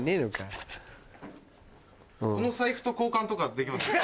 この財布と交換とかできます？